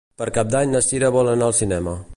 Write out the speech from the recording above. Per Cap d'Any na Cira vol anar al cinema.